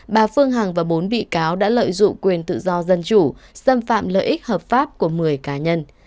bà phương hằng và bốn bị cáo đã lợi dụng quyền tự do dân chủ xâm phạm lợi ích hợp pháp của một mươi cá nhân